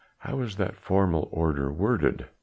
"How is that formal order worded?"